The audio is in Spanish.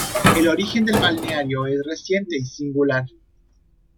El origen del balneario es reciente y singular.